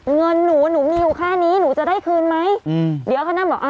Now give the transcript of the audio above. เงินหนูหนูมีอยู่แค่นี้หนูจะได้คืนไหมอืมเดี๋ยวเขานั่งบอกอ่า